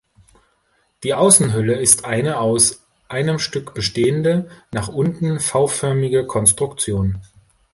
Die Außenhülle ist eine aus einem Stück bestehende, nach unten V-förmige Konstruktion.